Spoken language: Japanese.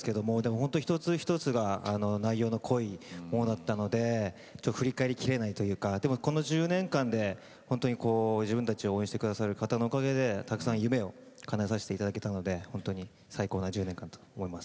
本当に一つ一つが内容の濃いものだったので振り返りきれないというかこの１０年間で自分たちを応援してくださる方のおかげで、たくさん夢をかなえさせていただけたので最高の１０年間だったと思います。